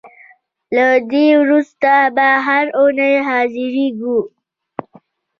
له دې وروسته به هر اوونۍ حاضرېږو.